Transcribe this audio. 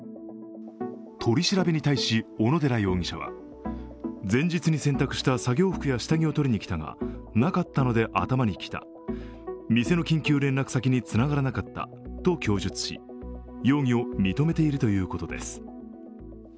取り調べに対し、小野寺容疑者は前日に洗濯した作業服や下着を取りに来たがなかったので頭にきた、店の緊急連絡先につながらなかったと供述し、容疑を認めているということです。